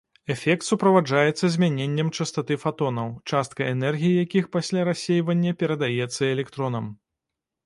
Эфект суправаджаецца змяненнем частаты фатонаў, частка энергіі якіх пасля рассейвання перадаецца электронам.